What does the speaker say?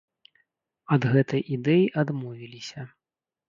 Ад гэтай ідэі адмовіліся.